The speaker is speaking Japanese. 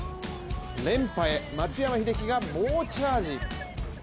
連覇へ、松山英樹が猛チャージ。